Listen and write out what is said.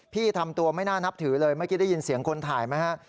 ทำตัวไม่น่านับถือเลยเมื่อกี้ได้ยินเสียงคนถ่ายไหมฮะ